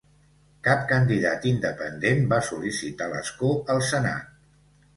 Cap candidat independent va sol·licitar l'escó al Senat.